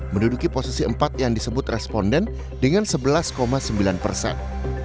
menduduki posisi empat yang disebut responden dengan sebelas sembilan persen